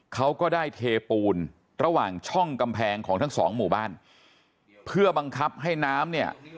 เขาก็ได้เทปูนระหว่างช่องกำแพงของทั้งสองหมู่บ้านเพื่อบังคับให้น้ำเนี่ย